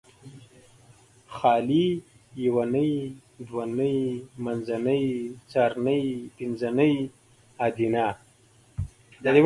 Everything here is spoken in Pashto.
خالي یونۍ دونۍ منځنۍ څارنۍ پنځنۍ ادینه